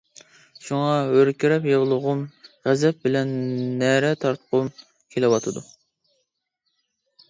شۇڭا ھۆركىرەپ يىغلىغۇم، غەزەپ بىلەن نەرە تارتقۇم كېلىۋاتىدۇ.